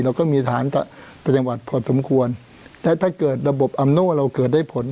เราก็มีฐานปฏิบัติพอสมควรและถ้าเกิดระบบอำนว่เราเกิดได้ผล